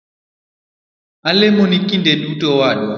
Alemoni kinde duto owadwa